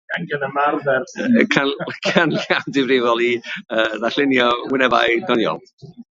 Canllaw Difrifol i Ddarlunio Wynebau Doniol.”